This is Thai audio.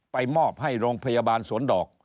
มอบให้โรงพยาบาลสวนดอก